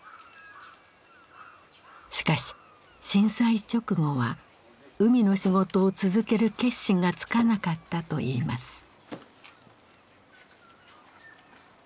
しかし震災直後は海の仕事を続ける決心がつかなかったといいます。